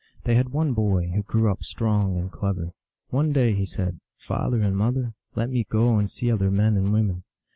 They had one boy, who grew up strong and clever. One day he said, " Father and mother, let me go and see other men and women."